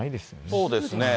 そうですね。